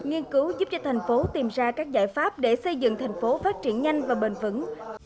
nghiên cứu giúp cho thành phố tìm ra các giải pháp để xây dựng thành phố phát triển nhanh và bền vững